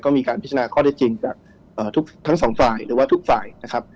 ก็มีการพิจารณาข้อได้จริงจากทุกทั้งสองฝ่ายหรือว่าทุกฝ่ายนะครับ